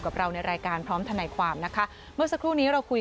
กับเราในรายการพร้อมทนายความนะคะเมื่อสักครู่นี้เราคุย